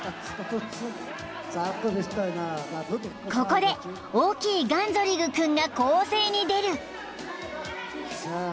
［ここで大きいガンゾリグ君が攻勢に出る］